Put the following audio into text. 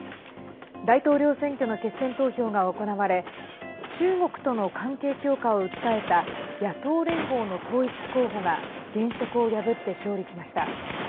大統領選挙の決選投票が行われ中国との関係強化を訴えた野党連合の統一候補が現職を破って勝利しました。